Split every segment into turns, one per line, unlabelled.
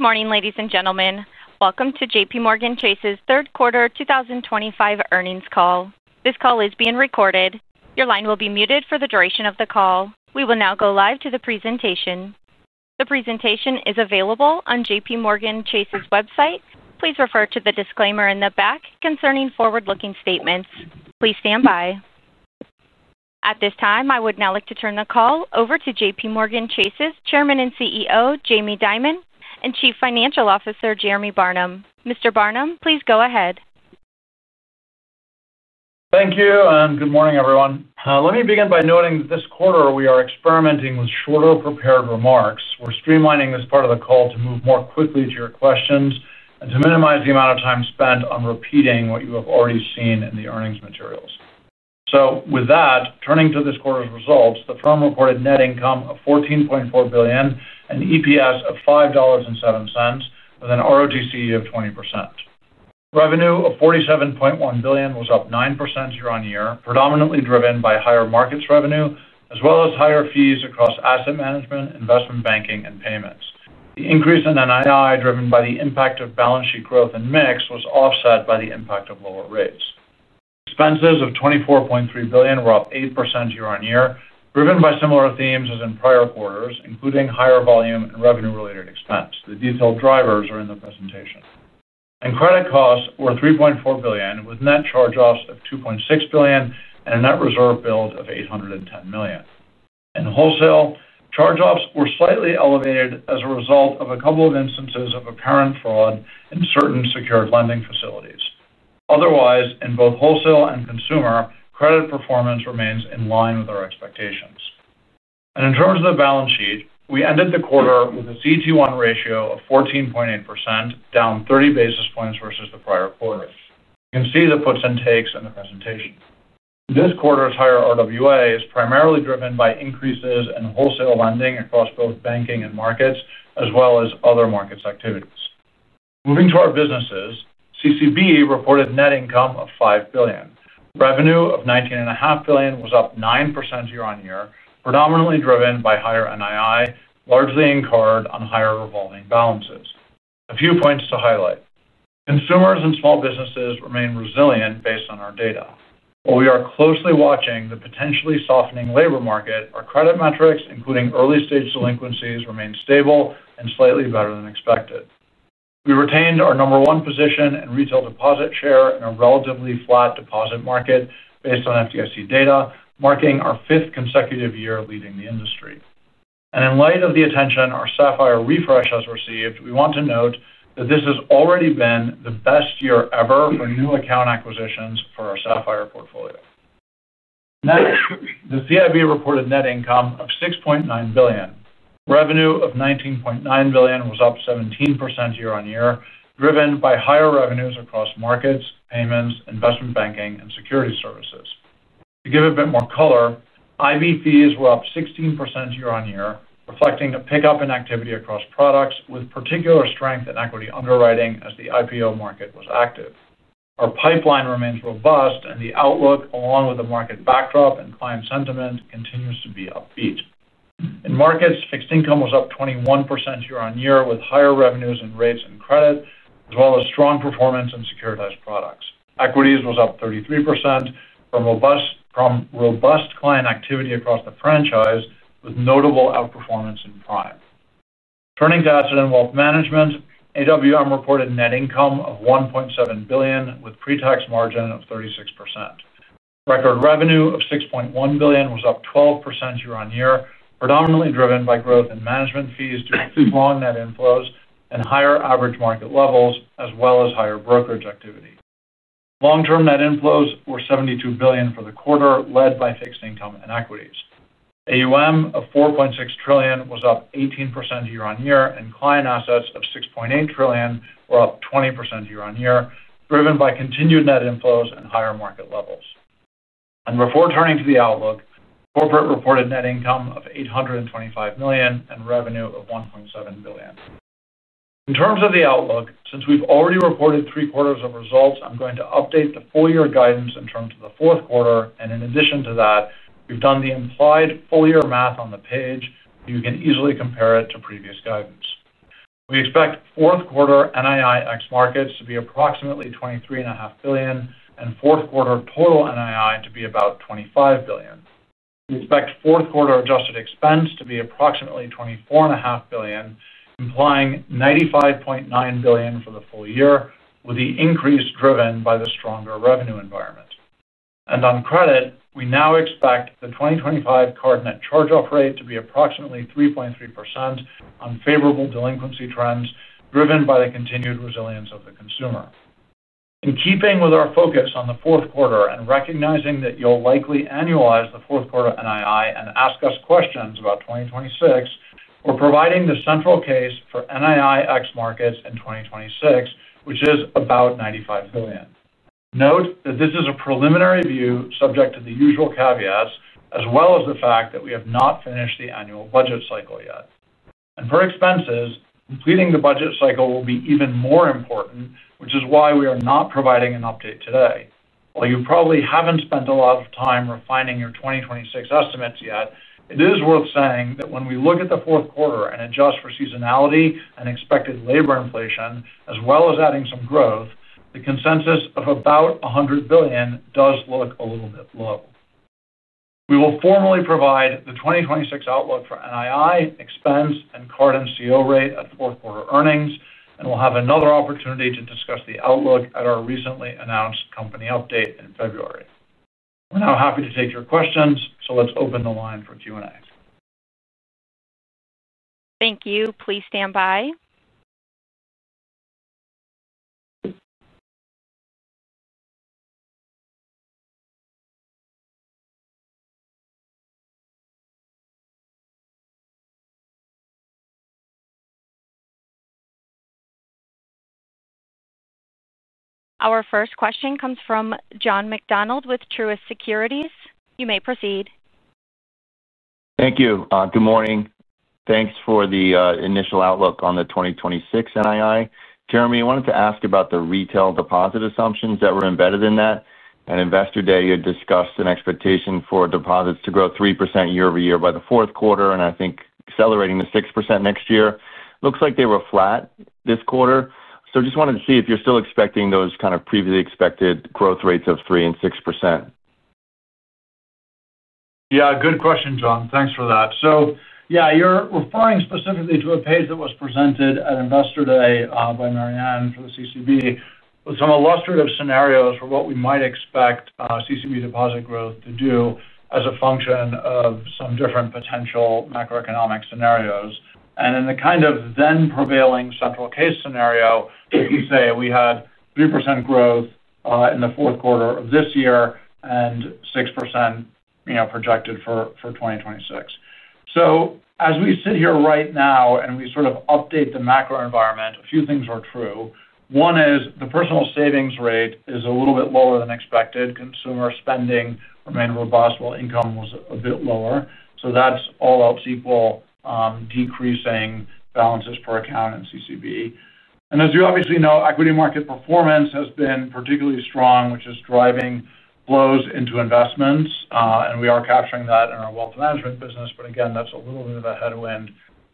Good morning ladies and gentlemen. Welcome to JPMorgan Chase & Co.'s third quarter 2025 earnings call. This call is being recorded. Your line will be muted for the duration of the call. We will now go live to the presentation. The presentation is available on JPMorgan Chase & Co.'s website. Please refer to the disclaimer in the back concerning forward-looking statements. Please stand by at this time. I would now like to turn the call over to JPMorgan Chase & Co.'s Chairman and CEO Jamie Dimon and Chief Financial Officer Jeremy Barnum. Mr. Barnum, please go ahead.
Thank you and good morning everyone. Let me begin by noting this quarter we are experimenting with shorter prepared remarks. We're streamlining this part of the call to move more quickly to your questions and to minimize the amount of time spent on repeating what you have already seen in the earnings materials. With that, turning to this quarter's results, the firm reported net income of $14.4 billion, an EPS of $5.07 with an ROTC of 20%. Revenue of $47.1 billion was up 9% year on year, predominantly driven by higher markets revenue as well as higher fees across asset management, investment banking, and payments. The increase in NII driven by the impact of balance sheet growth and mix was offset by the impact of lower rates. Expenses of $24.3 billion were up 8% year on year, driven by similar themes as in prior quarters, including higher volume and revenue-related expense. The detailed drivers are in the presentation, and credit costs were $3.4 billion with net charge-offs of $2.6 billion and a net reserve build of $810 million. Wholesale charge-offs were slightly elevated as a result of a couple of instances of apparent fraud in certain secured lending facilities. Otherwise, in both wholesale and consumer, credit performance remains in line with our expectations. In terms of the balance sheet, we ended the quarter with a CET1 ratio of 14.8%, down 30 basis points versus the prior. You can see the puts and takes in the presentation. This quarter's higher RWA is primarily driven by increases in wholesale lending across both banking and markets as well as other markets activities. Moving to our businesses, CCB reported net income of $5 billion. Revenue of $19.5 billion was up 9% year on year, predominantly driven by higher NII, largely incurred on higher revolving balances. A few points to highlight: consumers and small businesses remain resilient based on our data. While we are closely watching the potentially softening labor market, our credit metrics, including early stage delinquencies, remain stable and slightly better than expected. We retained our number one position in retail deposit share in a relatively flat deposit market based on FDIC data, marking our fifth consecutive year leading the industry. In light of the attention our Sapphire refresh has received, we want to note that this has already been the best year ever for new account acquisitions for our Sapphire portfolio. The CIB reported net income of $6.9 billion. Revenue of $19.9 billion was up 17% year on year, driven by higher revenues across markets, payments, investment banking, and security services. To give a bit more color, IB fees were up 16% year on year, reflecting a pickup in activity across products with particular strength in equity underwriting as the IPO market was active. Our pipeline remains robust, and the outlook along with the market backdrop and client sentiment continues to be upbeat. In markets, fixed income was up 21% year on year with higher revenues in rates and credit as well as strong performance in securitized products. Equities was up 33% from robust client activity across the franchise with notable outperformance in prime. Turning to Asset & Wealth Management, AWM reported net income of $1.7 billion with pre-tax margin of 36%. Record revenue of $6.1 billion was up 12% year on year, predominantly driven by growth in management fees due to long net inflows and higher average market levels as well as higher brokerage activity. Long-term net inflows were $72 billion for the quarter, led by fixed income and equities. Assets under management of $4.6 trillion was up 18% year on year, and client assets of $6.8 trillion were up 20% year on year, driven by continued net inflows and higher market levels. Before turning to the outlook, Corporate reported net income of $825 million and revenue of $1.6 billion. In terms of the outlook, since we've already reported three quarters of results, I'm going to update the full year guidance in terms of the fourth quarter, and in addition to that, we've done the implied full year math on the page. You can easily compare it to previous guidance. We expect fourth quarter NII ex markets to be approximately $23.5 billion and fourth quarter total NII to be about $25 billion. We expect fourth quarter adjusted expense to be approximately $24.5 billion, implying $95.9 billion for the full year, with the increase driven by the stronger revenue environment. On credit, we now expect the 2025 card net charge-off rate to be approximately 3.3% on favorable delinquency trends driven by the continued resilience of the consumer. In keeping with our focus on the fourth quarter and recognizing that you'll likely annualize the fourth quarter NII and ask us about 2026, we're providing the central case for NII ex Markets in 2026, which is about $95 billion. Note that this is a preliminary view subject to the usual caveats as well as the fact that we have not finished the annual budget cycle yet. For expenses, completing the budget cycle will be even more important, which is why we are not providing an update today. While you probably haven't spent a lot of time refining your 2026 estimates yet, it is worth saying that when we look at the fourth quarter and adjust for seasonality and expected labor inflation, as well as adding some growth, the consensus of about $100 billion does look a little bit low. We will formally provide the 2026 outlook for NII expense and card NCO rate at fourth quarter earnings, and we'll have another opportunity to discuss the outlook at our recently announced company update in February. We are now happy to take your questions, so let's open the line for Q&A.
Thank you. Please stand by. Our first question comes from John McDonald with Truist Securities. You may proceed.
Thank you. Good morning. Thanks for the initial outlook on the 2026 NII. Jeremy, I wanted to ask about the retail deposit assumptions that were embedded in. At Investor Day, you discussed an expectation for deposits to grow year-over-year by the end of the year. Fourth quarter and I think accelerating to 6% next year looks like they were flat this quarter. I just wanted to see if you're still expecting those kind of previously expected growth rates of 3% and 6%.
Yeah, good question, John. Thanks for that. You're referring specifically to a page that was presented at Investor Day by Marianne Lake for the CCB with some illustrative scenarios for what we might expect CCB deposit growth to do as a function of some different potential macroeconomic scenarios. In the kind of then prevailing central case scenario, say we had 3% growth in the fourth quarter of this year and 6% projected for 2026. As we sit here right now and we sort of update the macro environment, a few things are true. One is the personal savings rate is a little bit lower than expected. Consumer spending remained robust while income was a bit lower. That's all else equal decreasing balances per account in CCB. As you obviously know, equity market performance has been particularly strong, which is driving flows into investments and we are capturing that in our wealth management business. Again, that's a little bit of a headwind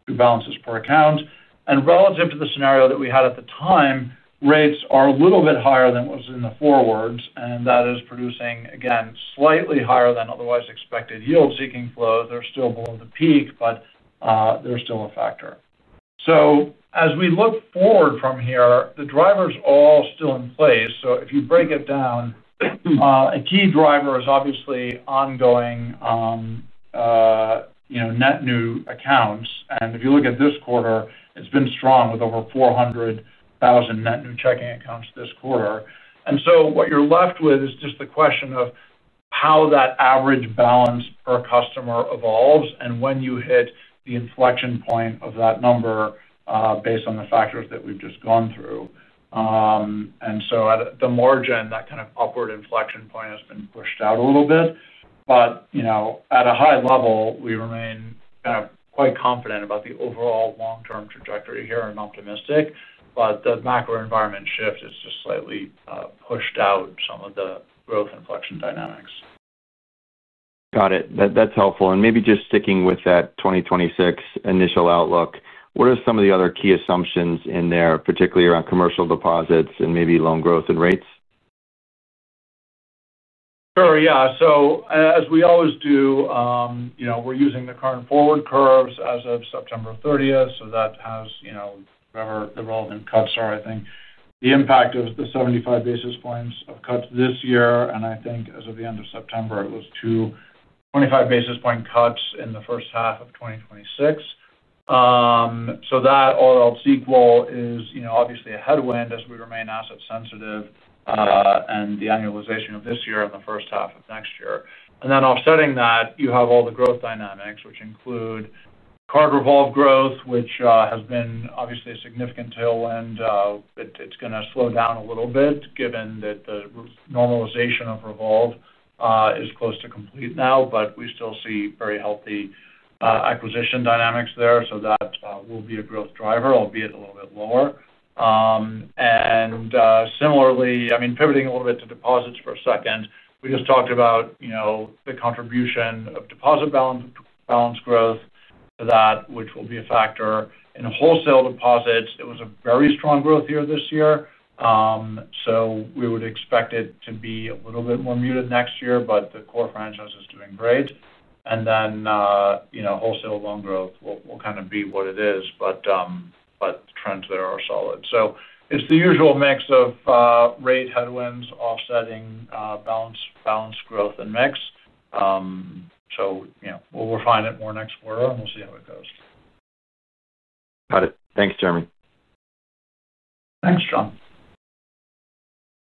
to balances per account and relative to the scenario that we had at the time, rates are a little bit higher than what was in the forwards and that is producing again slightly higher than otherwise expected yield-seeking flow. They're still below the peak, but they're still a factor. As we look forward from here, the drivers are all still in place. If you break it down, a key driver is obviously ongoing net new accounts. If you look at this quarter, it's been strong with over 400,000 net new checking accounts this quarter. What you're left with is just the question of how that average balance per customer evolves and when you hit the inflection point of that number based on the factors that we've just gone through. At the margin, that kind of upward inflection point has been pushed out a little bit. At a high level, we remain quite confident about the overall long-term trajectory here and optimistic. The macro environment shift has just slightly pushed out some of the growth inflection dynamics.
Got it. That's helpful. Maybe just sticking with that 2026 initial outlook, what are some of the other key assumptions in there, particularly around commercial deposits and maybe loan growth and rates?
Sure, yeah. As we always do, we're using the current forward curves as of September 30. That has relevant cuts, or I think the impact of the 75 basis points of cuts this year. I think as of the end of September it was two 25 basis points cuts in the first half of 2026. That, all else equal, is obviously a headwind as we remain asset sensitive, and the annualization of this year and the first half of next year. Offsetting that, you have all the growth dynamics, which include card revolve growth, which has been obviously a significant tailwind. It's going to slow down a little bit given that the normalization of revolve is close to complete now, but we still see very healthy acquisition dynamics there. That will be a growth driver, albeit a little bit lower. Similarly, pivoting a little bit to deposits for a second, we just talked about the contribution of deposit balance between balance growth, which will be a factor in wholesale deposits. It was a very strong growth year this year, so we would expect it to be a little bit more muted next year, but the core franchise is doing great. Wholesale loan growth will kind of be what it is, but trends there are solid. It's the usual mix of rate headwinds offsetting balance growth and mix. We'll refine it more next quarter and we'll see how it goes.
Got it. Thanks, Jeremy.
Thanks, John.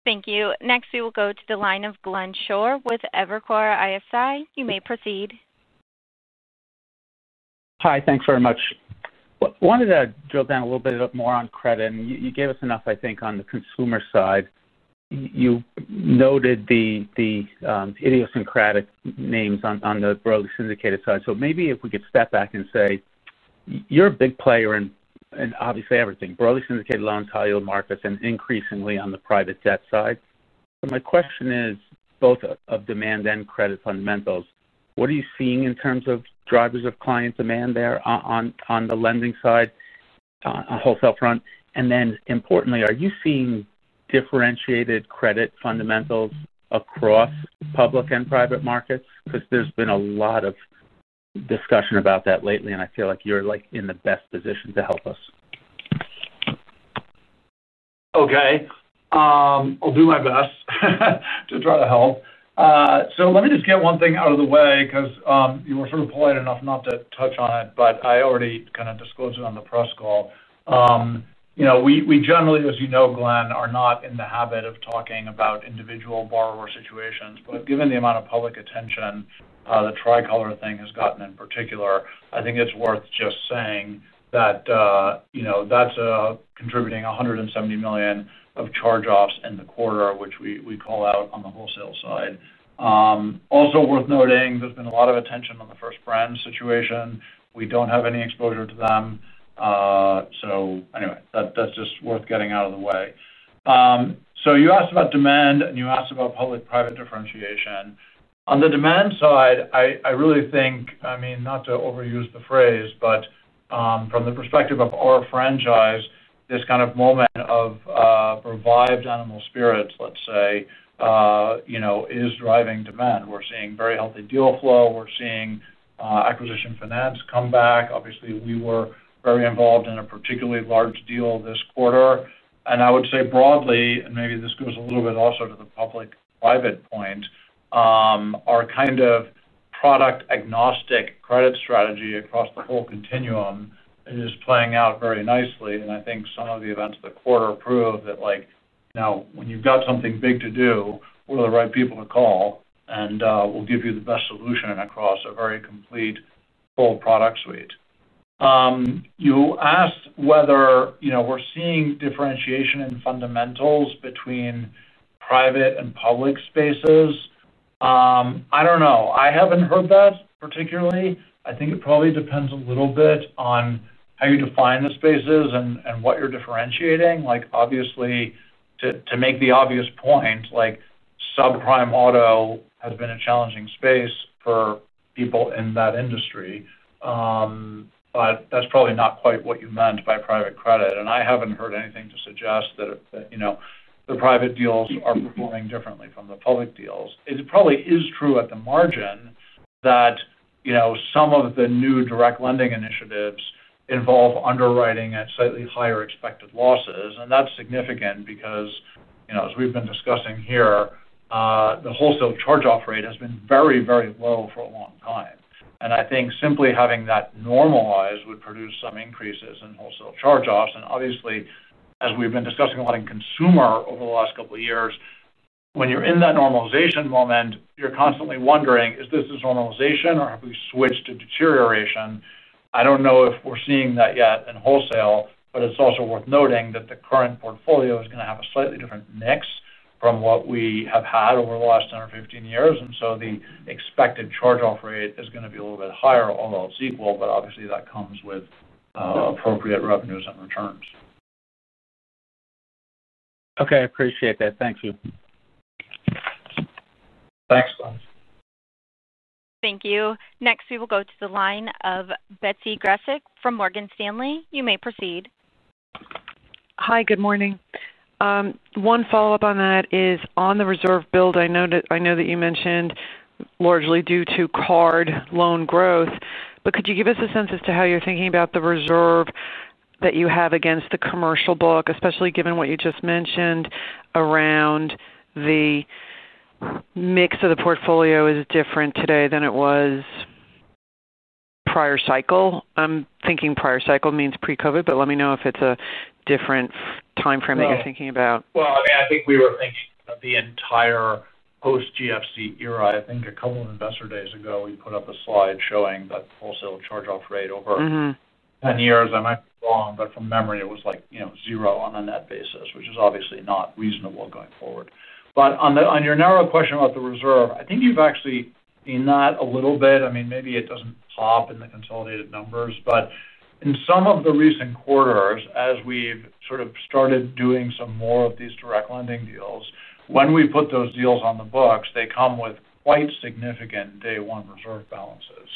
Thank you. Next we will go to the line of Glenn Schorr with Evercore ISI. You may proceed.
Hi. Thanks very much. Wanted to drill down a little bit more on credit and you gave us enough. I think on the consumer side you noted the idiosyncratic names on the broadly syndicated side. Maybe if we could step back and say you're a big player in obviously everything, broadly syndicated loans, high yield markets and increasingly on the private debt side. My question is both of demand and credit fundamentals. What are you seeing in terms of drivers of client demand there on the lending side, wholesale front? Importantly, are you seeing differentiated credit fundamentals across public and private markets? There's been a lot of discussion about that lately and I feel like you're in the best position to help us.
Okay, I'll do my best to try to help. Let me just get one thing out of the way because you were sort of polite enough not to touch on it, but I already kind of disclosed it on the press call. We generally, as you know, Glenn, are not in the habit of talking about individual borrower situations, but given the amount of public attention the Tricolor thing has gotten in particular, I think it's worth just saying that that's contributing $170 million of charge-offs in the quarter which we call out on the wholesale side. Also worth noting, there's been a lot of attention on the First Brand situation. We don't have any exposure to them. That's just worth getting out of the way. You asked about demand and you asked about public private differentiation. On the demand side. I really think, not to overuse the phrase, but from the perspective of our franchise, this kind of moment of revived animal spirits, let's say, is driving demand. We're seeing very healthy deal flow. We're seeing acquisition finance come back. Obviously we were very involved in a particularly large deal this quarter. I would say broadly, and maybe this goes a little bit also to the public private point, our kind of product agnostic credit strategy across the whole continuum is playing out very nicely. I think some of the events of the quarter prove that. Now when you've got something big to do, we're the right people to call and will give you the best solution across a very complete full product suite. You asked whether we're seeing differentiation in fundamentals between private and public spaces? I don't know, I haven't heard that particularly. I think it probably depends a little bit on how you define the spaces and what you're differentiating. Obviously, to make the obvious point, subprime auto has been a challenging space for people in that industry, but that's probably not quite what you meant by private credit. I haven't heard anything to suggest that the private deals are performing differently from the public deals. It probably is true at the margin that some of the new direct lending initiatives involve underwriting at slightly higher expected losses. That's significant because, as we've been discussing here, the wholesale charge-off rate has been very, very low for a long time. I think simply having that normalized would produce some increases in wholesale charge-offs. Obviously, as we've been discussing a lot in consumer over the last couple years, when you're in that normalization moment, you're constantly wondering is this normalization or have we switched to deterioration? I don't know if we're seeing that yet in wholesale. It's also worth noting that the current portfolio is going to have a slightly different mix from what we have had over the last 10 or 15 years, and so the expected charge-off rate is going to be a little bit higher, all while it's equal. Obviously, that comes with appropriate revenues and returns.
Okay, I appreciate that. Thank you. Thanks.
Thank you. Next we will go to the line of Betsy Graseck from Morgan Stanley. You may proceed.
One follow up on that is on the reserve build. I know that you mentioned largely due to card loan growth, but could you give us a sense as to how you're thinking about the reserve that you have against the commercial book, especially given what you just mentioned around the mix of the portfolio is different today than it was prior cycle. I'm thinking prior cycle means pre-Covid, but let me know if it's a different time frame that you're thinking about.
I mean I think we were thinking the entire post-GFC era. I think a couple of investor days ago we put up a slide showing that wholesale charge-off rate over 10 years. I might be wrong, but from memory it was like zero on a net basis, which is obviously not reasonable going forward. On your narrow question about the reserve, I think you've actually, maybe it doesn't pop in the consolidated numbers, but in some of the recent quarters, as we've sort of started doing some more of these direct lending deals, when we put those deals on the books, they come with quite significant day one reserve balances.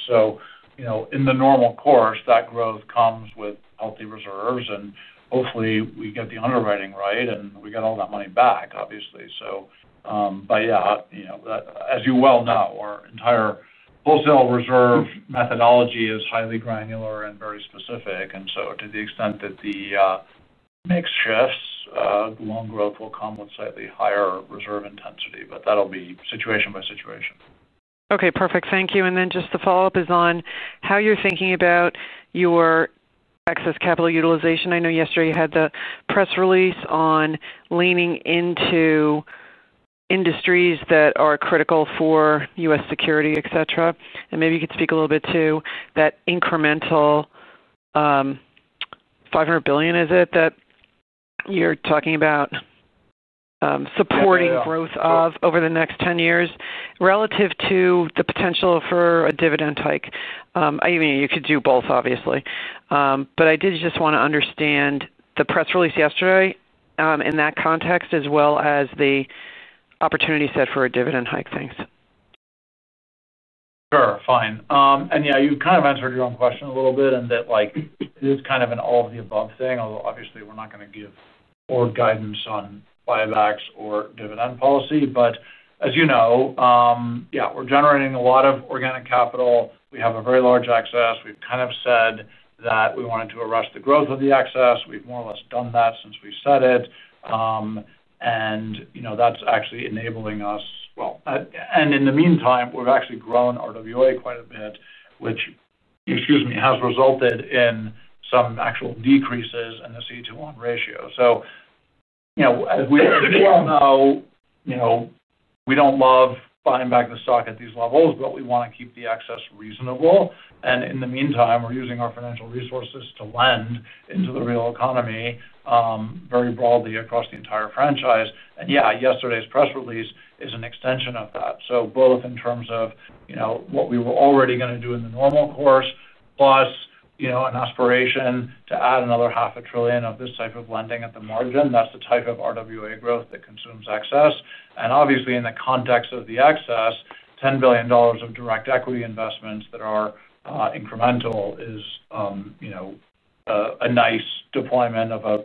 In the normal course that growth comes with healthy reserves and hopefully we get the underwriting right and we get all that money back, obviously. As you well know, our entire wholesale reserve methodology is highly granular and very specific. To the extent that the mix shifts, loan growth will come with slightly higher reserve intensity. That will be situation by situation.
Okay, perfect, thank you. Just the follow up is on how you're thinking about your excess capital utilization. I know yesterday you had the press release on leaning into industries that are critical for U.S. security, et cetera. Maybe you could speak a little bit to that incremental $500 billion, is it that you're talking about supporting growth of over the next 10 years relative to the potential for a dividend hike? You could do both, obviously. I did just want to understand the press release yesterday in that context as well as the opportunity set for a dividend hike. Thanks.
Sure. Fine. Yeah, you kind of answered your own question a little bit. It is kind of an all of the above thing. Obviously we're not going to give guidance on buybacks or dividend policy. As you know, we're generating a lot of organic capital. We have a very large excess. We've kind of said that we wanted to arrest the growth of the excess. We've more or less done that since we said it. That's actually enabling us. In the meantime, we've actually grown RWA quite a bit, which, excuse me, has resulted in some actual decreases in the CET1 ratio. As we all know, we don't love buying back the stock at these levels, but we want to keep the excess reasonable. In the meantime, we're using our financial resources to lend into the real economy very broadly across the entire franchise. Yesterday's press release is an extension of that. Both in terms of what we were already going to do in the normal course, plus an aspiration to add another half a trillion of this type of lending at the margin, that's the type of RWA growth that consumes excess. Obviously in the context of the excess, $10 billion of direct equity investments that are incremental is a nice deployment of a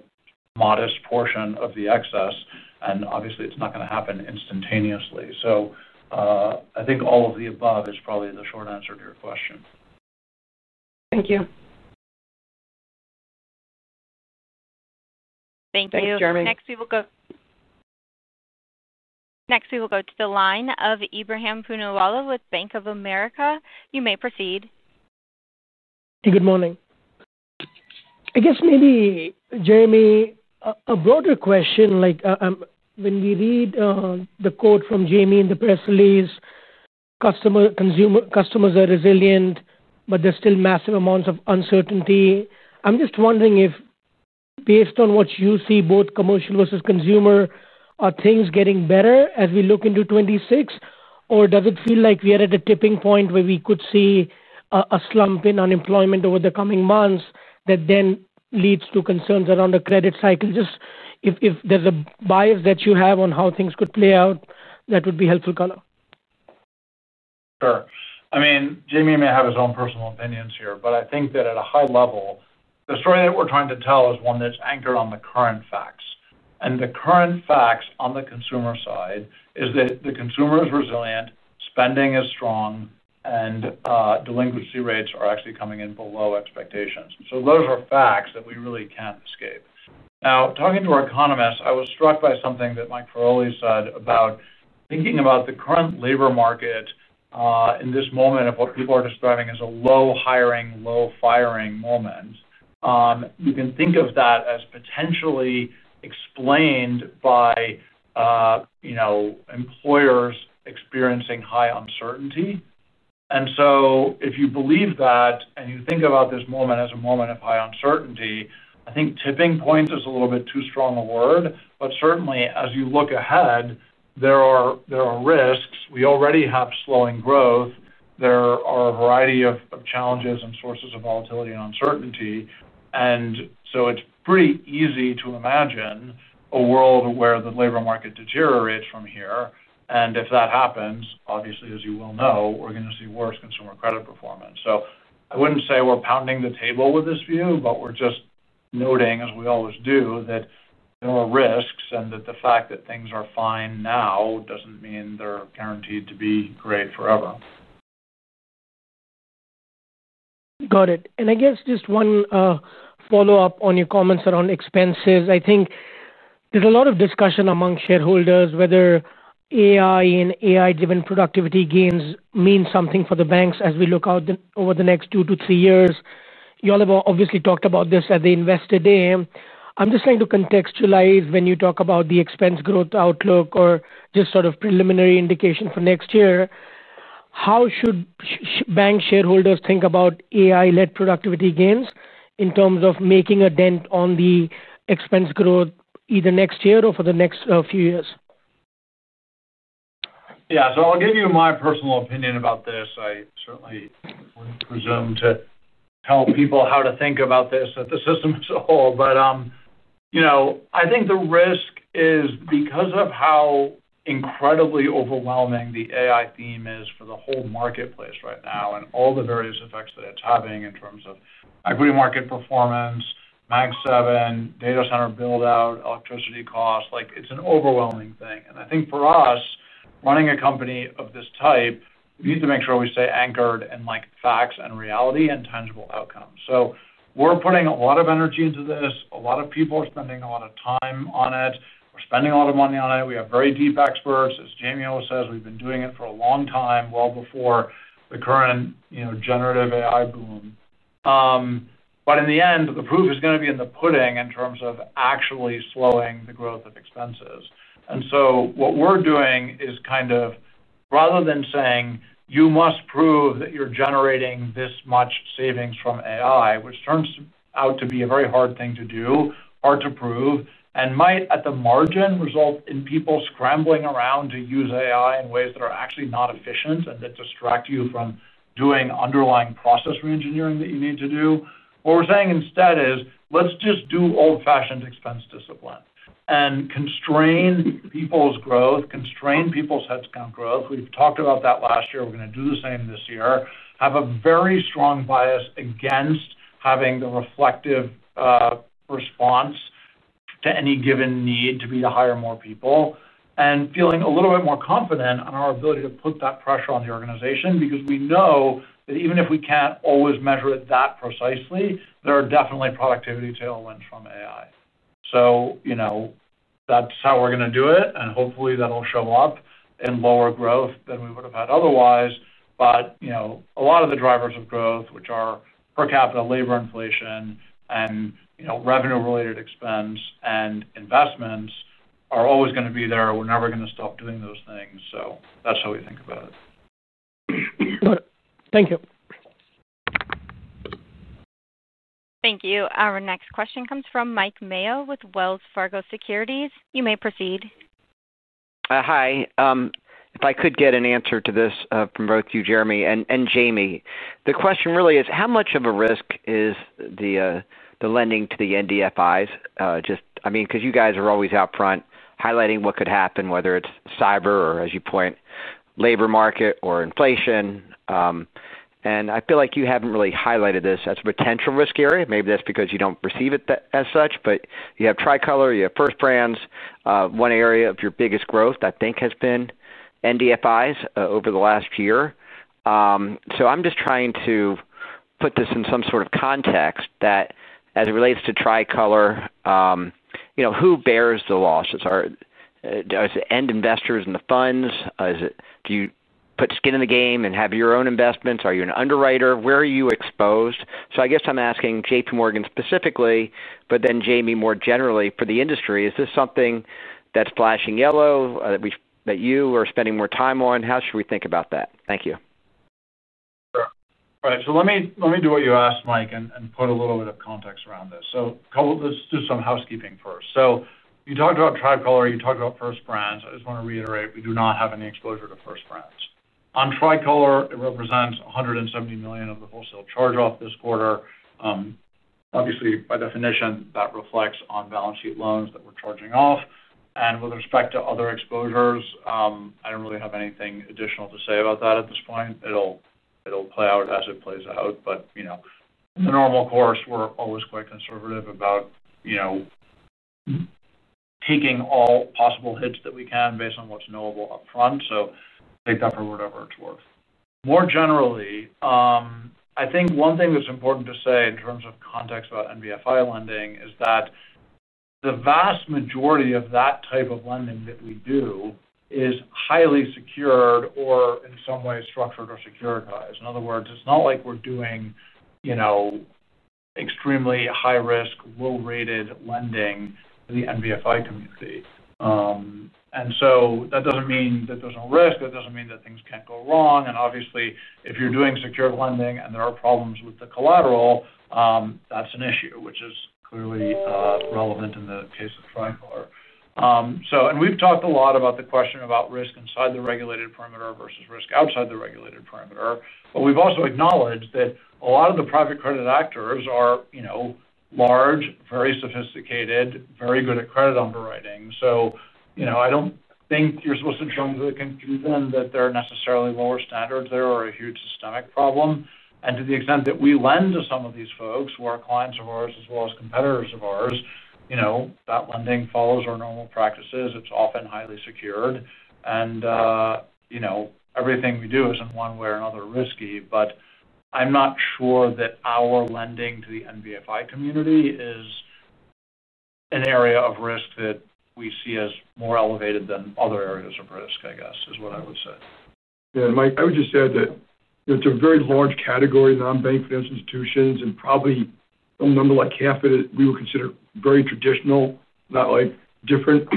modest portion of the excess. Obviously it's not going to happen instantaneously. I think all of the above is probably the short answer to your question.
Thank you.
Thank you. Jeremy, next we will go to the line of Ebrahim Poonawala with Bank of America. You may proceed.
Good morning. I guess maybe Jamie, a broader question, like when we read the quote from Jamie in the press release. Customers are resilient, but there's still massive amounts of uncertainty. I'm just wondering if, based on what you see, both commercial versus consumer, are things getting better as we look into 2026 or does it feel like we are at a tipping point where we could see a slump in unemployment over the coming months that then leads to concerns around the credit cycle? Just if there's a bias that you have on how things could play out, that would be helpful color.
I mean, Jamie may have his own personal opinions here, but I think that at a high level, the story that we're trying to tell is one that's anchored on the current facts. The current facts on the consumer side are that the consumer is resilient, spending is strong, and delinquency rates are actually coming in below expectations. Those are facts that we really can't escape. Now, talking to our economists, I was struck by something that Mike Feroli said about thinking about the current labor market. In this moment of what people are describing as a low hiring, low firing moment, you can think of that as potentially explained by employers experiencing high uncertainty. If you believe that and you think about this moment as a moment of high uncertainty, I think tipping point is a little bit too strong a word. Certainly as you look ahead, there are risks. We already have slowing growth. There are a variety of challenges and sources of volatility and uncertainty. It's pretty easy to imagine a world where the labor market deteriorates from here. If that happens, obviously, as you well know, we're going to see worse consumer credit performance. I wouldn't say we're pounding the table with this view, but we're just noting, as we always do, that there are risks and that the fact that things are fine now doesn't mean they're guaranteed to be great forever.
Got it. I guess just one follow up on your comments around expenses. I think there's a lot of discussion among shareholders whether AI and AI-driven productivity gains mean something for the banks as we look out over the next two to three years. You all have obviously talked about this at the investor day. I'm just trying to contextualize when you talk about the expense growth outlook or just sort of preliminary indication for next year, how should bank shareholders think about AI-led productivity gains in terms of making a dent on the expense growth either next year or for the next few years.
Yeah. I'll give you my personal opinion about this. I certainly don't presume to tell people how to think about this at the system as a whole. I think the risk is because of how incredibly overwhelming the AI theme is for the whole marketplace right now and all the various effects that it's having in terms of equity market performance, MAG7 data center build out, electricity costs, it's an overwhelming thing. I think for us running a company of this type, we need to make sure we stay anchored in facts and reality and tangible outcomes. We're putting a lot of energy into this. A lot of people are spending a lot of time on it, we're spending a lot of money on it. We have very deep experts. As Jamie always says, we've been doing it for a long time, well before the current generative AI boom. In the end, the proof is going to be in the pudding in terms of actually slowing the growth of expenses. What we're doing is, rather than saying you must prove that you're generating this much savings from AI, which turns out to be a very hard thing to do, hard to prove and might at the margin result in people scrambling around to use AI in ways that are actually not efficient and that distract you from doing underlying process reengineering that you need to do. What we're saying instead is let's just do old fashioned expense discipline and constrain people's growth, constrain people's headcount growth. We've talked about that last year. We're going to do the same this year. Have a very strong bias against having the reflective response to any given need to be to hire more people and feeling a little bit more confident on our ability to put that pressure on the organization. We know that even if we can't always measure it that precisely, there are definitely productivity tailwinds from AI. That's how we're going to do it and hopefully that'll show up in lower growth than we would have had otherwise. A lot of the drivers of growth, which are per capita labor, inflation and revenue related expense and investments, are always going to be there. We're never going to stop doing those things. That's how we think about it.
Thank you.
Thank you. Our next question comes from Mike Mayo with Wells Fargo Securities. You may proceed.
Hi. If I could get an answer to this from both you, Jeremy and Jamie. The question really is how much of a risk is the lending to the NBFIs, just, I mean, because you guys are always out front highlighting what could happen, whether it's cyber or, as you point, labor market or inflation. I feel like you haven't really highlighted this as a potential risk area. Maybe that's because you don't perceive it as such. You have Tricolor, you have First Brands. One area of your biggest growth, I think, has NBFIs over the last year. I'm just trying to put this in some sort of context that as it relates to Tricolor, you know, who bears the losses? Does it end investors in the funds? Do you put skin in the game and have your own investments? Are you an underwriter?
Where are you exposed?
I guess I'm asking JPMorgan Chase & Co. specifically, but then, Jamie, more generally for the industry, is this something that's flashing yellow that you are spending more time on? How should we think about that? Thank you.
All right, let me do what you asked, Mike, and put a little bit of context around this. Let's do some housekeeping first. You talked about Tricolor, you talked about First Brands. I just want to reiterate, we do not have any exposure to First Brands. On Tricolor, it represents $170 million of the wholesale charge-off this quarter. Obviously, by definition, that reflects on-balance-sheet loans that we're charging off. With respect to other exposures, I don't really have anything additional to say about that at this point. It will play out as it plays out. In the normal course, we're always quite conservative about taking all possible hits that we can based on what's knowable up front. Take that for whatever it's worth. More generally, I think one thing that's important to say in terms of context about NBFI lending is that the vast majority of that type of lending that. We do is highly secured or in. Some way structured or securitized. In other words, it's not like we're doing extremely high risk, low rated lending to the NBFI community. That doesn't mean that there's no risk. That doesn't mean that things can't go wrong. Obviously, if you're doing secured lending and there are problems with the collateral, that's an issue which is clearly relevant in the case of Tricolor. We've talked a lot about the question about risk inside the regulated perimeter versus risk outside the regulated perimeter. We've also acknowledged that a lot of the private credit actors are, you know, large, very sophisticated, very good at credit underwriting. I don't think you're supposed to jump to the conclusion that there are necessarily lower standards or a huge systemic problem. To the extent that we lend to some of these folks who are clients of ours as well as competitors of ours, that lending follows our normal practices, it's often highly secured, and everything we do is in one way or another risky. I'm not sure that our lending to the NBFI community is an area of risk that we see as more elevated than other areas of risk, I guess is what I would say, Mike.
I would just add that it's a very large category, non-bank financial institutions, and probably a number like half of it we would consider very traditional, not like different.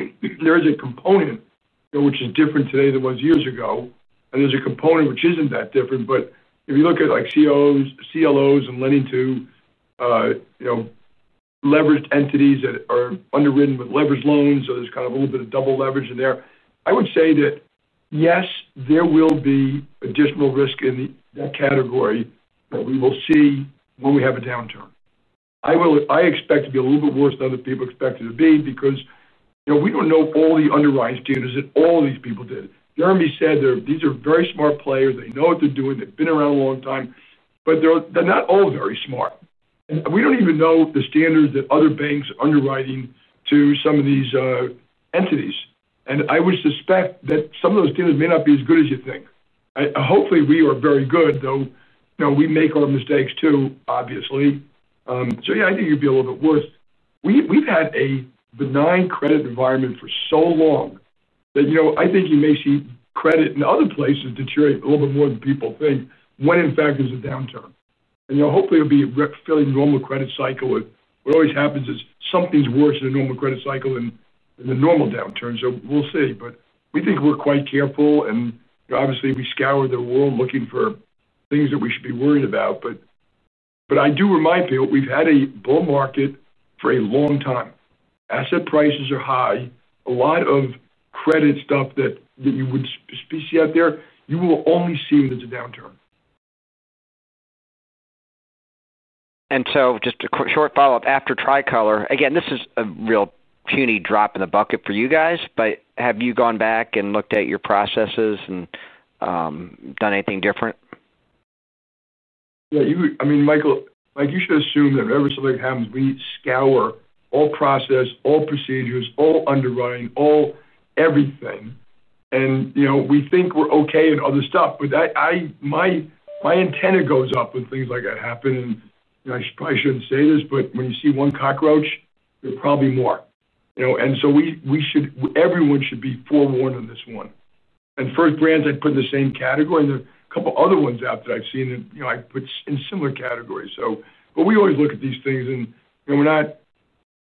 There is a component which is different today than it was years ago, and there's a component which isn't that different. If you look at CLOs and lending to leveraged entities that are underwritten with leveraged loans, there's kind of a little bit of double leverage in there. I would say that yes, there will be additional risk in that category that we will see when we have a downturn. I expect it to be a little bit worse than other people expect it to be because we don't know all the underwriting standards that all these people did. Jeremy said these are very smart players. They know what they're doing, they've been around a long time, but they're not all very smart. We don't even know the standards that other banks are underwriting to some of these entities, and I would suspect that some of those deals may not be as good as you think. Hopefully we are very good though. We make our mistakes too, obviously. I think it could be a little bit worse. We've had a benign credit environment for so long that I think you may see credit in other places deteriorate a little bit more than people think when in fact there's a downturn, and hopefully it'll be a fairly normal credit cycle. What always happens is something's worse than a normal credit cycle, than the normal downturn. We'll see. We think we're quite careful and obviously we scour the world looking for things that we should be worried about. I do remind people we've had a bull market for a long time. Asset prices are high. A lot of credit stuff that you would see out there, you will only see if there's a downturn.
Just a short follow up after Tricolor. This is a real puny drop in the bucket for you guys. Have you gone back and looked at your processes and done anything different?
I mean, Mike, you should assume that every so like happens, we scour all process, all procedures, all underwriting, all everything. We think we're okay in other stuff. My antenna goes up when things like that happen. I probably shouldn't say this, but when you see one cockroach, there are probably more. Everyone should be forewarned on this one. First Brands, I'd put in the same category. There are a couple other ones out that I've seen. I put in similar categories. We always look at these things and we're not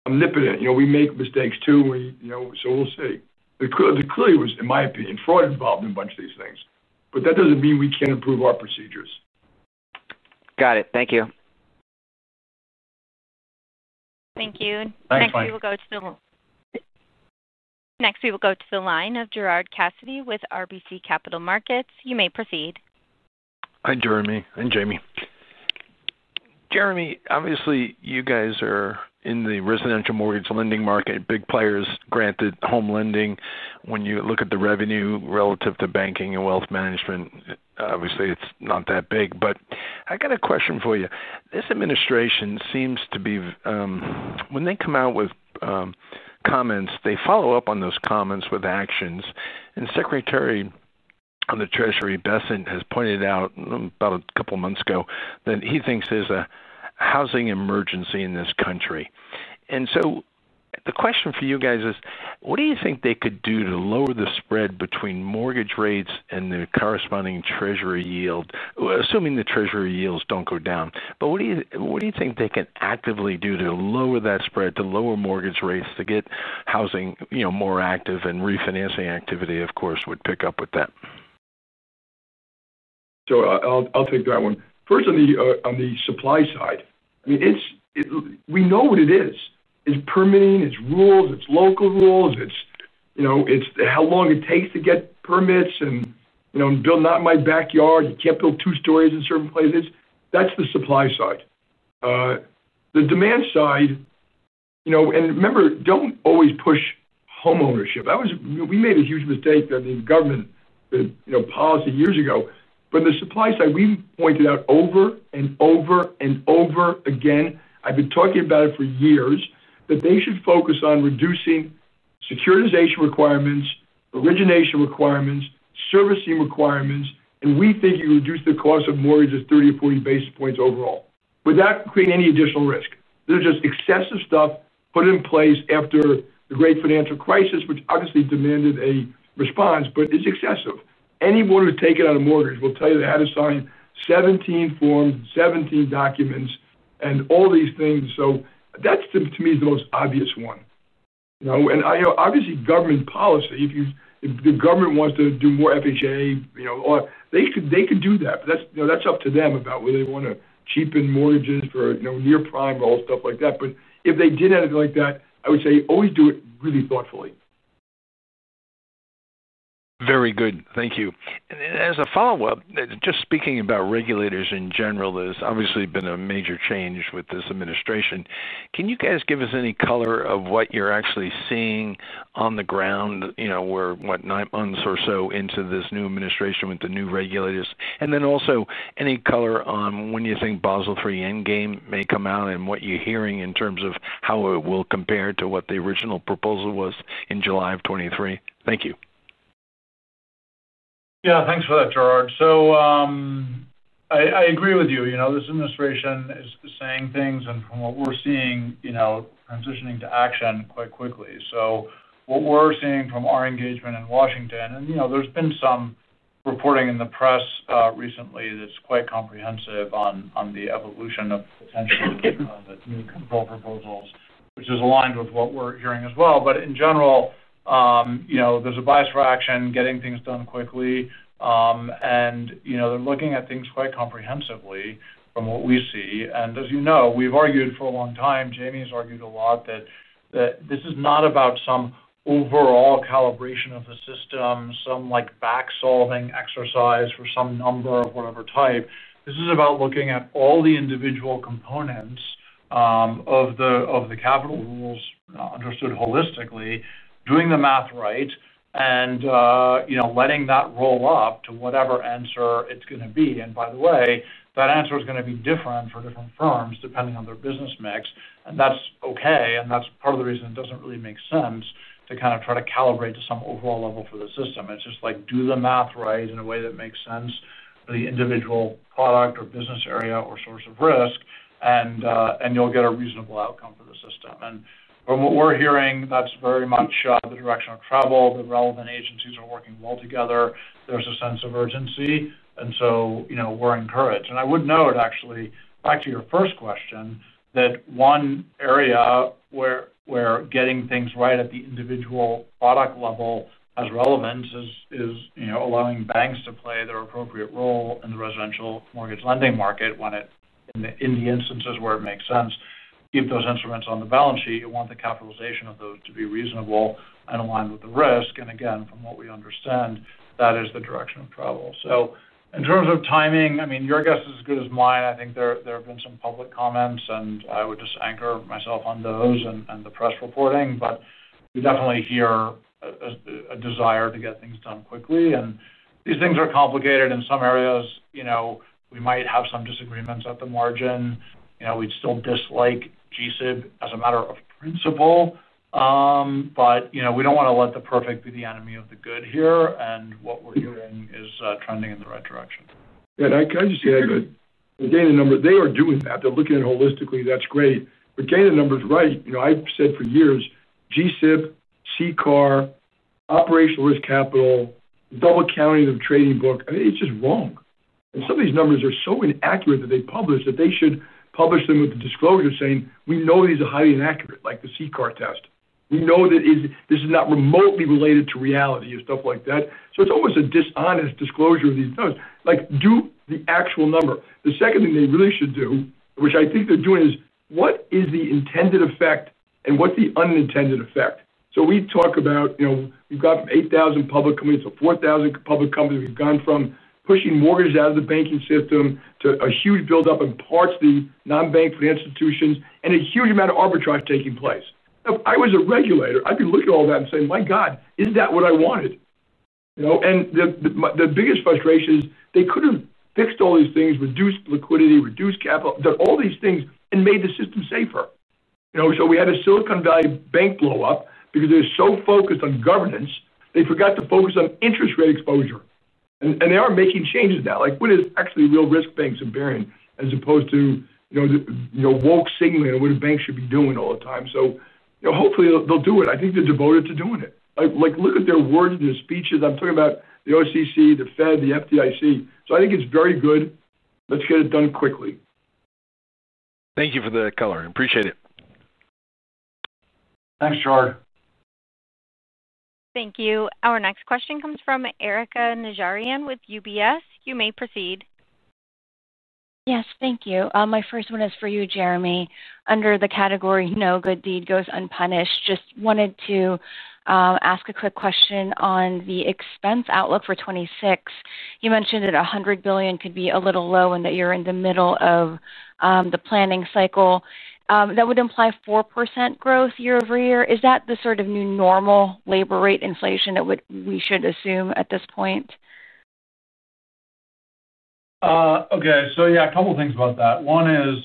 omnipotent. We make mistakes, too. We'll see. There clearly was, in my opinion, fraud involved in a bunch of these things. That doesn't mean we can't improve our procedures.
Got it.
Thank you.
Thank you. Next we will go to the line of Gerard Cassidy with RBC Capital Markets. You may proceed.
Hi, Jeremy and Jamie. Jeremy, obviously you guys are in the residential mortgage lending market. Big players, granted, home lending, when you look at the revenue relative to banking and wealth management, obviously it's not that big. I got a question for you. This administration seems to be, when they come out with comments, they follow up on those comments with actions. Secretary of the Treasury has pointed out about a couple months ago that he thinks there's a housing emergency in this country. The question for you guys is, what do you think they could do to lower the spread between mortgage rates and the corresponding Treasury yield, assuming the Treasury yields don't go down. What do you think they can actively do to lower that spread, to lower mortgage rates to get housing more active. Refinancing activity, of course, would pick up with that.
I'll take that one first. On the supply side, we know what it is. It's permitting, it's rules, it's local rules. It's how long it takes to get permits and, you know, build. Not in my backyard. You can't build two stories in certain places. That's the supply side. The demand side, you know. Remember, don't always push homeownership. We made a huge mistake in the government policy years ago. The supply side, we pointed out over and over and over again, I've been talking about it for years, that they should focus on reducing securitization requirements, origination requirements, servicing requirements, and we think you reduce the cost of mortgages, 30 or 40 basis points overall without creating any additional risk. There's just excessive stuff put in place after the great financial crisis, which obviously demanded a response, but is excessive. Anyone who's taken on a mortgage will tell you they had to sign 17 forms, 17 documents and all these things. To me, that's the most obvious one. Obviously, government policy. If the government wants to do more FHA, they could do that. That's up to them about whether they want to cheapen mortgages for near prime. All stuff like that. If they did have it like that, I would say always do it really thoughtfully.
Very good, thank you. As a follow-up, just speaking about regulators in general, there's obviously been a major change with this administration. Can you guys give us any color what you're actually seeing on the ground? You know, we're what, nine months or so into this new administration with the new regulators, and also any color on when you think Basel III endgame may come out and what you're hearing in terms of how it will compare to what the original proposal was in July of 2023. Thank you.
Yeah, thanks for that, Gerard. I agree with you. You know, this administration is saying things and from what we're seeing, transitioning to action quite quickly. What we're seeing from our engagement in Washington, and there's been some reporting in the press recently that's quite comprehensive on the evolution of potential proposals, which is aligned with what we're hearing as well. In general, there's a bias for action, getting things done quickly. They're looking at things quite comprehensively from what we see. As you know, we've argued for a long time, Jamie's argued a lot, that this is not about some overall calibration of the system, some back solving exercise for some number of whatever type. This is about looking at all the individual components of the capital rules understood holistically, doing the math right, and letting that roll up to whatever answer it's going to be. By the way, that answer is going to be different for different firms depending on their business mix. That's okay. That's part of the reason it doesn't really make sense to try to calibrate to some overall level for the system. It's just do the math right in a way that makes sense for the individual product or business area or source of risk and you'll get a reasonable outcome for the system. From what we're hearing that's very much the direction of travel. The relevant agencies are working well together. There's a sense of urgency and we're encouraged. I would note actually back to your first question that one area where getting things right at the individual product level has relevance is allowing banks to play their appropriate role in the residential mortgage lending market. In the instances where it makes sense, keep those instruments on the balance sheet. You want the capitalization of those to be reasonable and aligned with the risk. Again, from what we understand that is the direction of travel. In terms of timing, I mean your guess is as good as mine. I think there have been some public comments and I would just anchor myself on those and the press reporting, but we definitely hear a desire to get things done quickly and these things are complicated in some areas. We might have some disagreements at the margin. We'd still dislike G SIB as a matter of principle, but we don't want to let the perfect be the enemy of the good here. What we're doing is trending in the right direction.
number they are doing that they're looking at holistically, that's great, but get the numbers right. I've said for years, G-SIB, CCAR, operational risk capital, double counting of trading book, it's just wrong. Some of these numbers are so inaccurate that they publish, that they should publish them with the disclosure saying we know these are highly inaccurate, like we know that this is not remotely related to reality and stuff like that. It's almost a dishonest disclosure of these notes, like do the actual number. The second thing they really should do, which I think they're doing, is what is the intended effect and what the unintended effect. We talk about, you know, we've got 8,000 public companies to 4,000 public companies. We've gone from pushing mortgages out of the banking system to a huge buildup in parts of the non-bank financial institutions and a huge amount of arbitrage taking place. If I was a regulator, I could look at all that and say, my God, is that what I wanted? The biggest frustration is they could have fixed all these things, reduced liquidity, reduced capital, all these things and made the system safer. We had a Silicon Valley Bank blow up because they're so focused on governance, they forgot to focus on interest rate exposure, and they are making changes now. What is actually real risk banks are bearing as opposed to woke signaling what a bank should be doing all the time? Hopefully they'll do it. I think they're devoted to doing it. Look at their words, their speeches. I'm talking about the OCC, the Fed, the FDIC. I think it's very good. Let's get it done quickly.
Thank you for the color. Appreciate it.
Thanks, Gerard.
Thank you. Our next question comes from Erika Najarian with UBS. You may proceed.
Yes, thank you. My first one is for you, Jeremy, under the category no good deed goes unpunished. Just wanted to ask a quick question on the expense outlook for 2026. You mentioned that $100 billion could be a little low and that you're in the middle of the planning cycle. That would imply 4% growth year-over-year. Is that the sort of new normal labor rate inflation that we should assume at this point?
Okay, a couple things about that. One is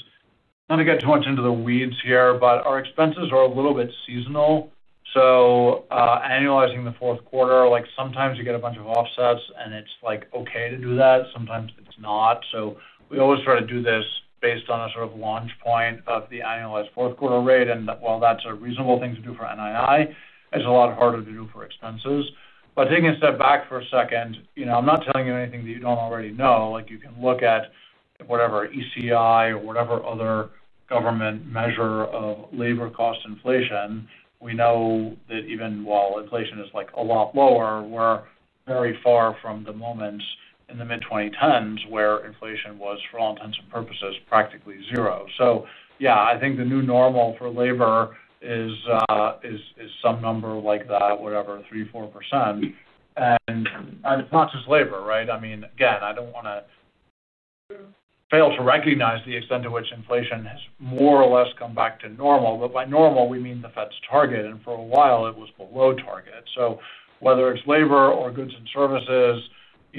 not to get too much into the weeds here, but our expenses are a little bit seasonal. Annualizing the fourth quarter, sometimes you get a bunch of offsets and it's okay to do that, sometimes it's not. We always try to do this based on a sort of launch point of the annualized fourth quarter rate. While that's a reasonable thing to do for NII, it's a lot harder to do for expenses. Taking a step back for a second, I'm not telling you anything that you don't already know. You can look at whatever ECI or whatever other government measure of labor cost inflation. We know that even while inflation is a lot lower, we're very far from the moments in the mid 2010s where inflation was, for all intents and purposes, practically zero. I think the new normal for labor is some number like that, whatever, 3%, 4%, and not just labor. I mean, I don't want to fail to recognize the extent to which inflation has more or less come back to normal. By normal, we mean the Fed's target, and for a while it was below target. Whether it's labor or goods and services,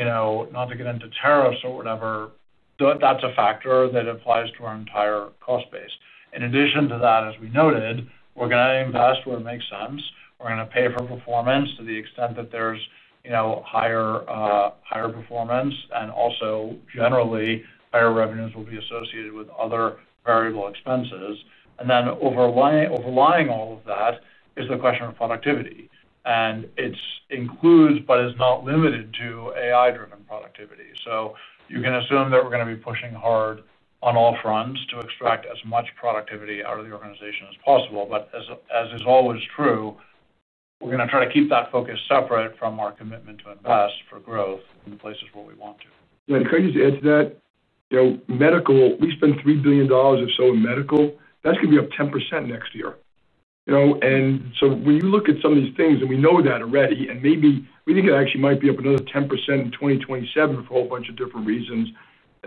not to get into tariffs or whatever, that's a factor that applies to our entire cost base. In addition to that, as we noted, we're going to invest where it makes sense. We're going to pay for performance to the extent that there's higher performance. Also, generally higher revenues will be associated with other variable expenses. Overlying all of that is the question of productivity, and it includes, but is not limited to, AI-driven productivity. You can assume that we're going to be pushing hard on all fronts to extract as much productivity out of the organization as possible. As is always true, we're going to try to keep that focus separate from our commitment to invest for growth in places where we want to.
Can I just add to that medical? We spend $3 billion or so in medical. That's going to be up 10% next year. When you look at some of these things, and we know that already, and maybe we think it actually might be up another 10% in 2027 for a whole bunch of different.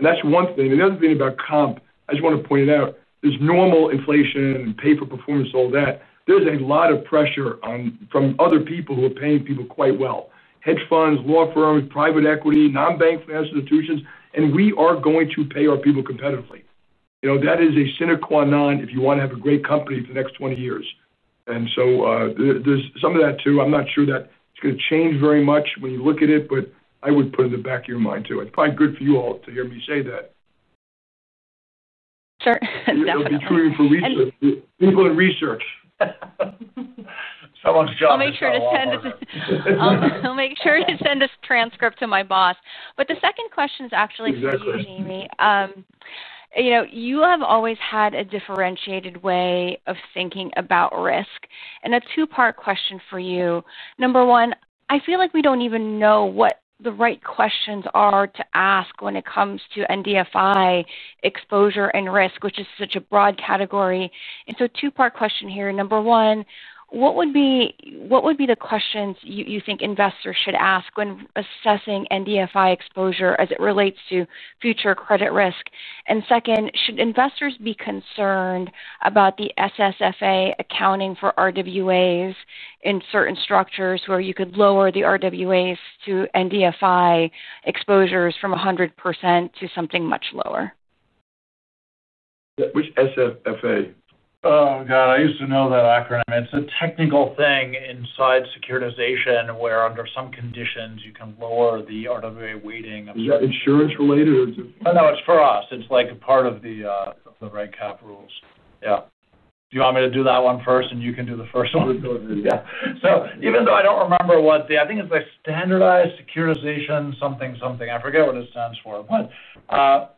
That's one thing. Another thing about comp. I just want to point it out. There's normal inflation and pay for performance, all that. There's a lot of pressure from other people who are paying people quite well. Hedge funds, law firms, private equity, non-bank financial institutions. We are going to pay our people competitively. That is a sine qua non if you want to have a great company for the next 20 years. There's some of that too. I'm not sure that it's going to change very much when you look at it, but I would put in the back of your mind too. It's probably good for you all to hear me say that.
Sure.
[Research], someone's job.
I'll make sure to send a transcript to my boss. The second question is actually for you, Jamie. You have always had a differentiated way of thinking about risk. A two part question for you. Number one, I feel like we don't even know what the right questions are to ask when it comes to NBFI exposure and risk, which is such a broad category. Two part question here. Number one, what would be the questions you think investors should ask when assessing NBFI exposure as it relates to future credit risk? Second, should investors be concerned about the SSFA accounting for RWAs in certain structures where you could lower the RWAs to NBFI exposures from 100% to something much lower.
Which SSFA?
Oh God, I used to know that acronym. It's a technical thing inside securitization where under some conditions you can lower the RWA weighting.
Is that insurance related?
No, it's for us. It's like a part of the reg cap rules. Do you want me to do that one first? You can do the first one. Even though I don't remember what the, I think it's a standardized securitization something. I forget what it stands for, but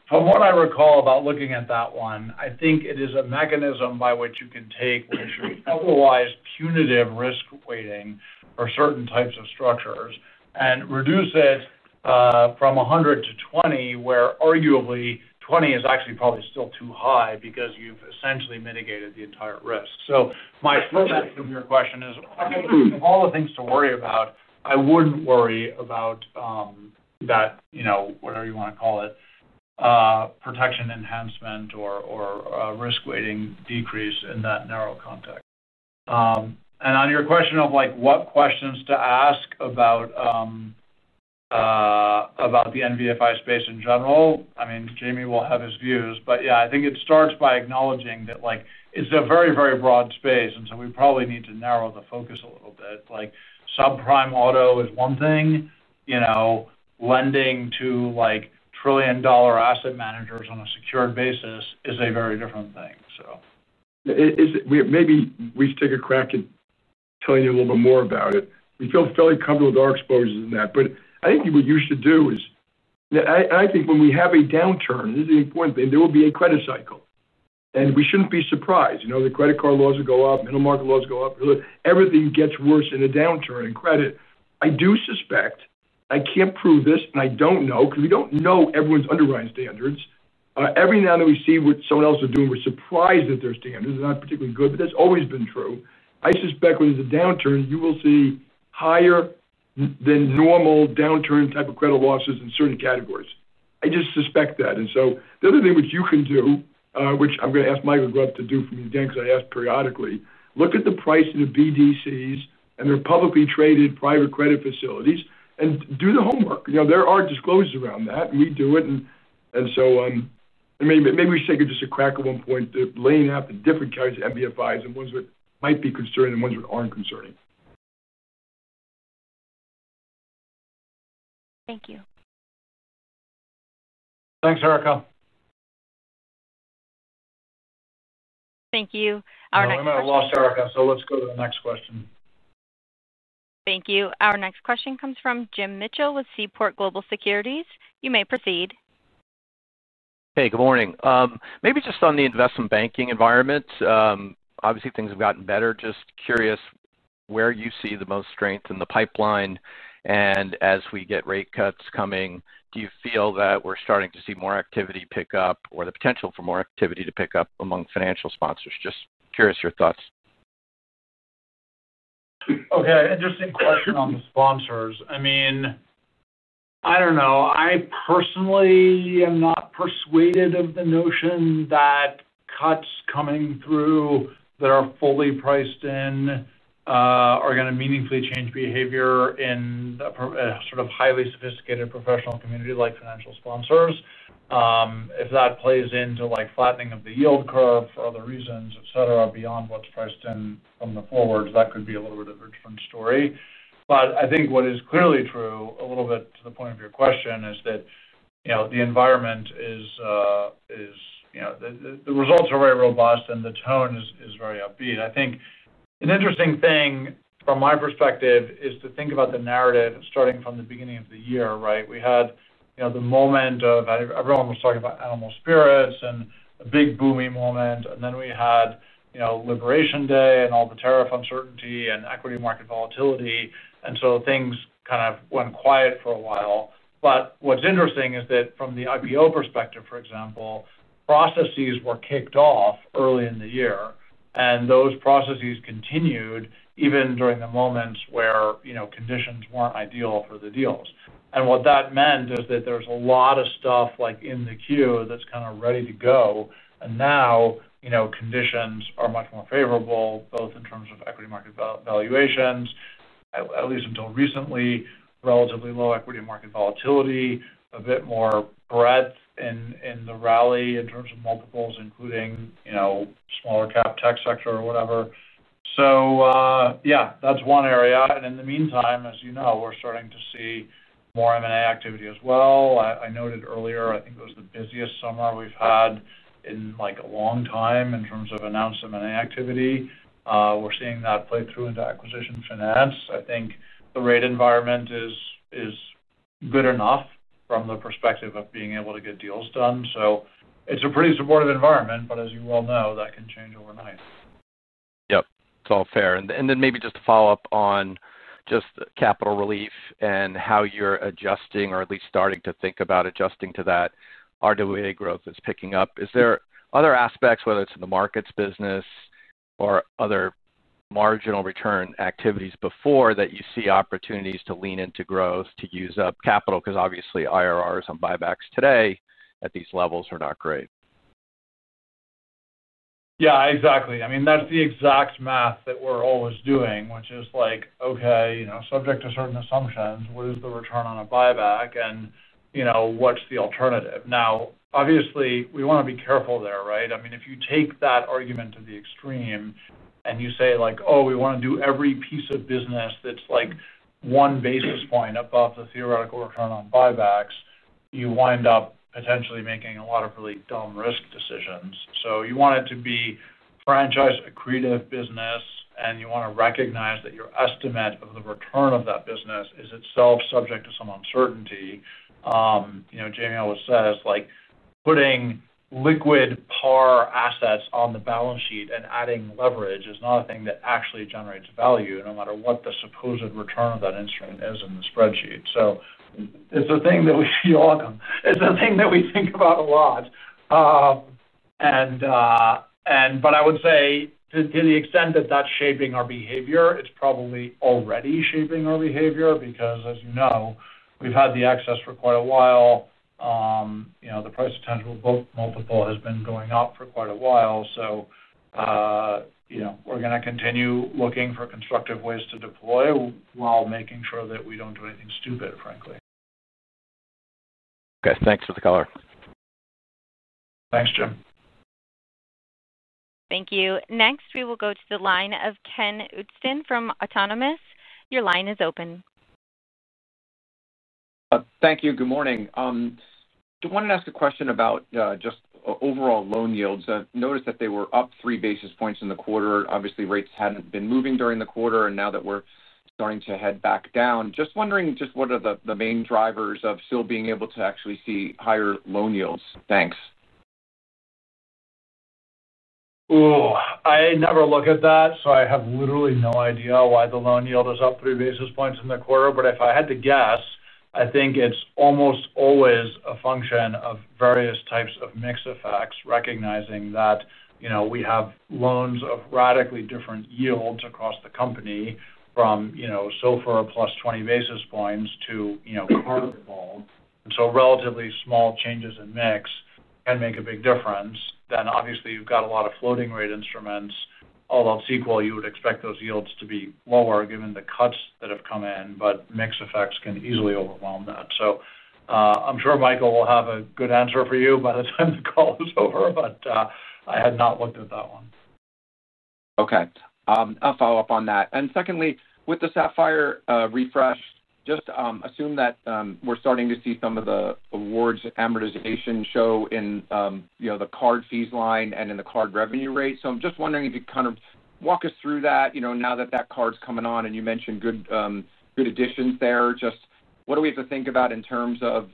from what I recall about looking at that one, I think it is a mechanism by which you can take otherwise punitive risk weighting for certain types of structures and reduce it from 100 to 20, where arguably 20 is actually probably still too high because you've essentially mitigated the entire risk. My first answer to your question is of all the things to worry about, I wouldn't worry about that. Whatever you want to call it, protection enhancement or risk weighting decrease in that narrow context. On your question of what questions to ask about the NBFI space in general, Jamie will have his views. I think it starts by acknowledging that it's a very, very broad space and we probably need to narrow the focus a little bit. Subprime auto is one thing. Lending to trillion dollar asset managers on a secured basis is a very different thing.
Maybe we should take a crack at telling you a little bit more about it. We feel fairly comfortable with our exposures in that. I think what you should do is, I think when we have a downturn, this is the important thing. There will be a credit cycle and we shouldn't be surprised. You know, the credit card laws will. Go up, middle market loans go up. Everything gets worse in a downturn in credit. I do suspect, I can't prove this and I don't know because we don't know everyone's underwriting standards. Every now and then we see what someone else is doing, we're surprised at their standards. They're not particularly good, but that's always been true. I suspect when there's a downturn you will see higher than normal downturn type of credit losses in certain categories. I just suspect that. The other thing which you can do, which I'm going to ask Michael Grubb to do for me again because I ask periodically, is look at the price of the BDCs and their publicly traded private credit facilities and do the homework. There are disclosures around that and we do it. Maybe we should just take a crack at one point laying out the different kinds of NBFIs and ones which might be concerning and ones that aren't concerning.
Thank you.
Thanks Erika.
Thank you.
I might have lost Erika. Let's go to the next question.
Thank you. Our next question comes from Jim Mitchell with Seaport Global Securities. You may proceed.
Hey, good morning. Maybe just on the investment banking environment, obviously things have gotten better. Just curious where you see the most strength in the pipeline, and as we get rate cuts coming, do you feel that we're starting to see more activity pick up or the potential for more activity to pick up among financial sponsors? Just curious your thoughts?
Okay, interesting question on the sponsors. I mean, I don't know. I personally am not persuaded of the notion that cuts coming through that are fully priced in are going to meaningfully change behavior in sort of highly sophisticated professional community like financial sponsors. If that plays into flattening of the yield curve for other reasons, et cetera, beyond what's priced in from the forwards, that could be a little bit of a different story. I think what is clearly true, a little bit to the point of your question, is that the environment is. The results are very robust and the tone is very upbeat. I think an interesting thing from my perspective is to think about the narrative. Starting from the beginning of the year, we had the moment of everyone was talking about Animal Spirits and a big booming moment. Then we had Liberation Day and all the tariff uncertainty and equity market volatility. Things kind of went quiet for a while. What's interesting is that from the IPO perspective, for example, processes were kicked off early in the year and those processes continued even during the moments where conditions weren't ideal for the deals. What that meant is that there's a lot of stuff in the queue that's kind of ready to go. Now conditions are much more favorable both in terms of equity markets valuations, at least until recently, relatively low equity market volatility, a bit more breadth in the rally in terms of multiples, including smaller cap tech sector or whatever. Yeah, that's one area. In the meantime, as you know, we're starting to see more M&A activity as well. I noted earlier, I think it was the busiest summer we've had in a long time in terms of announcement activity. We're seeing that play through into acquisition finance. I think the rate environment is good enough from the perspective of being able to get deals done. It's a pretty supportive environment. As you well know, that can change overnight.
Yep, it's all fair. Maybe just to follow up on just capital relief and how you're adjusting, or at least starting to think about adjusting to that. RWA growth is picking up. Is there other aspects, whether it's in the markets business or other marginal return activities before that, you see opportunities to lean into growth to use up capital? Because obviously IRRs and buybacks today at these levels are not great.
Yeah, exactly. I mean, that's the exact math that we're always doing, which is like, okay, subject to certain assumptions, what is the return on a buyback and what's the alternative? Obviously, we want to be careful there, right? I mean, if you take that argument to the extreme and you say, like, oh, we want to do every piece of business that's like one basis point above the theoretical return on buybacks, you wind up potentially making a lot of really dumb risk decisions. You want it to be franchise accretive business, and you want to recognize that your estimate of the return of that business is itself subject to some uncertainty. Jamie always says, like, putting liquid par assets on the balance sheet and adding leverage is not a thing that actually generates value, no matter what the supposed return of that instrument is in the spreadsheet. It's a thing that we think about a lot. I would say to the extent that that's shaping our behavior, it's probably already shaping our behavior because as you know, we've had the access for quite a while. The price to tangible multiple has been going up for quite a while. We're going to continue looking for constructive ways to deploy while making sure that we don't do anything stupid, frankly.
Okay, thanks for the color.
Thanks, Jim.
Thank you. Next we will go to the line of Ken Usdin from Autonomous. Your line is open.
Thank you. Good morning. I wanted to ask a question about just overall loan yields. Noticed that they were up three basis points in the quarter. Obviously, rates hadn't been moving during the quarter. Now that we're starting to head back down, just wondering what are the main drivers of still being able to actually see higher loan yields? Thanks.
Oh, I never look at that. I have literally no idea why the loan yield is up three basis points in the quarter. If I had to guess, I think it's almost always a function of various types of mix effects. Recognizing that we have loans of radically different yields across the company from, you know, SOFR plus 20 basis points to, you know, so relatively small changes in mix can make a big difference. Obviously, you've got a lot of floating rate instruments, all of SOFR. You would expect those yields to be lower given the cuts that have come in. Mix effects can easily overwhelm that. I'm sure Michael will have a good answer for you by the time the call is over, but I had not looked at that one.
Okay, I'll follow up on that. Secondly, with the Sapphire refresh, just assume that we're starting to see some of the awards amortization show in the card fees line and in the card revenue rate. I'm just wondering if you kind. Walk us through that, you know. Now that that card's coming on and you mentioned good additions there, just what do we have to think about in terms of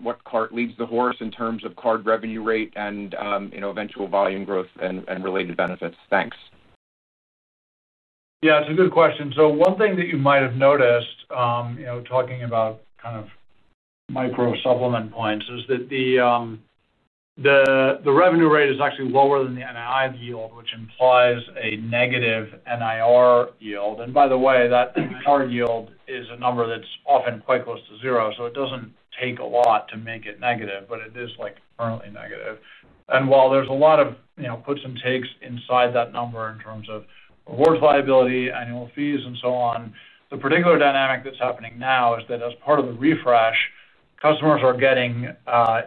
what card leads the horse in terms of card revenue rate and, you know, eventual volume growth and related benefits. Thanks.
Yeah, it's a good question. One thing that you might have noticed, talking about kind of micro supplement points, is that the revenue rate is actually lower than the NI yield, which implies a negative NIR yield. By the way, that target yield is a number that's often quite close to zero. It doesn't take a lot to make it negative, but it is currently negative. While there's a lot of puts and takes inside that number in terms of rewards, liability, annual fees and so on, the particular dynamic that's happening now is that as part of the refresh, customers are getting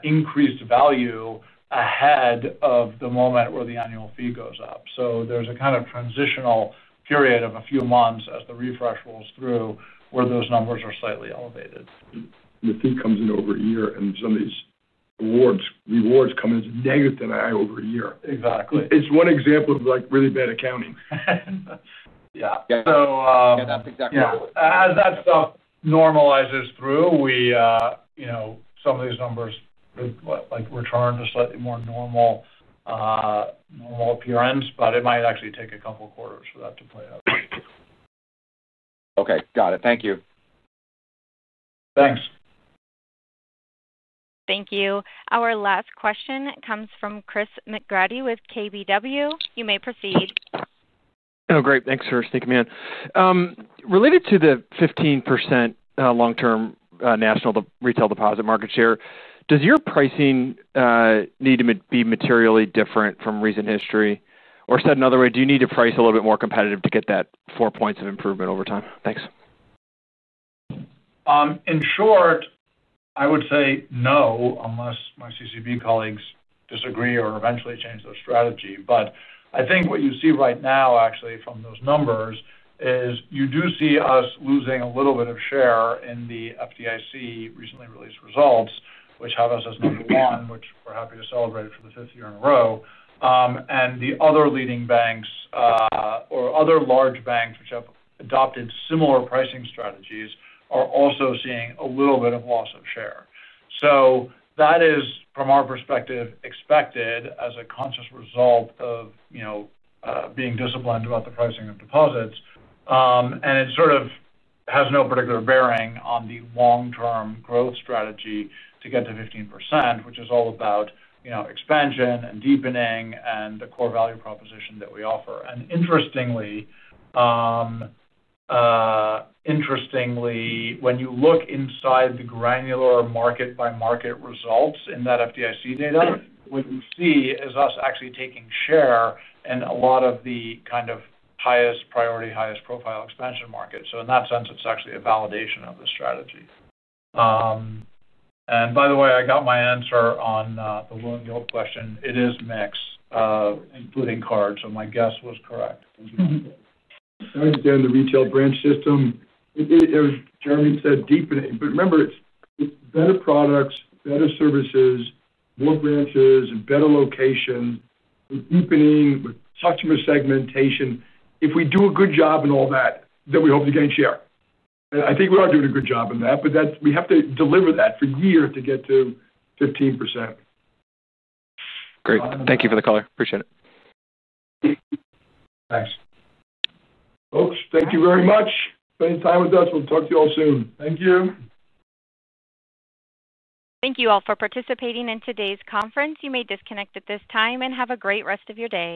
increased value ahead of the moment where the annual fee goes up. There's a kind of transitional period of a few months as the refresh rolls through where those numbers are slightly elevated.
The fee comes in over a year, and some of these rewards come in as a negative then over a year.
Exactly.
It's one example of really bad accounting.
As that stuff normalizes through, some of these numbers like return to slightly more normal appearance, but it might actually take a couple quarters for that to play out.
Okay, got it. Thank you.
Thanks.
Thank you. Our last question comes from Chris McGratty with KBW. You may proceed.
Great, Thanks for sneaking me in. Related to the 15% long-term national. Retail deposit market share, does your pricing need to be materially different from recent history? Or said another way, do you need to price a little bit more competitive to get that 4% of improvement over time?
Thanks. In short, I would say no unless my CCB colleagues disagree or eventually change their strategy. I think what you see right now actually from those numbers is you do see us losing a little bit of share in the FDIC recently released results which have us as number one. We're happy to celebrate for the fifth year in a row and the other leading banks or other large banks which have adopted similar pricing strategies are also seeing a little bit of loss of share. That is from our perspective, expected as a conscious result of being disciplined about the pricing of deposits. It has no particular bearing on the long term growth strategy to get to 15% which is all about expansion and deepening and the core value proposition that we offer. Interestingly, when you look inside the granular market by market results in that FDIC data, what you see is us actually taking share in a lot of the kind of highest priority, highest profile expansion market. In that sense it's actually a validation of the strategy. By the way, I got my answer on the question. It is mix including cards. My guess was correct.
The retail branch system, Jeremy said, deepening. Remember it's better products, better services, more branches, and better locations, deepening with customer segmentation. If we do a good job in all that, we hope to gain share. I think we are doing a good job in that, but we have to deliver that for years to get to 15%.
Great. Thank you for the color. Appreciate it.
Thanks.
Folks, thank you very much for spending time with us. We'll talk to you all soon. Thank you.
Thank you all for participating in today's conference. You may disconnect at this time and have a great rest of your day.